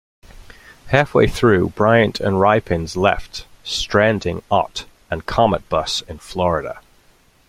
Halfway through, Bryant and Rypins left, stranding Ott and Cometbus in Florida.